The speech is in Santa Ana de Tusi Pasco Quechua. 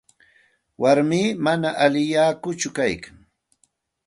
Warmii manam allillakutsu kaykan.